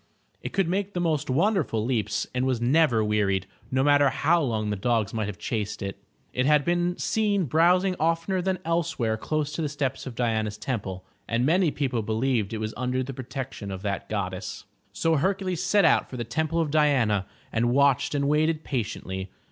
It could make the most wonderful leaps and was never wearied, no matter how long the dogs might have chased it. It had been seen browsing oftener than else where close to the steps of Diana's temple, and many people be lieved it was under the protection of that goddess. So Hercules set out for the Temple of Diana, and watched and waited patiently.